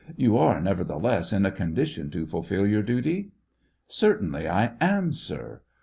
*' You are, nevertheless, in a condition to fulfil your duty ?" "Certainly I am, sir."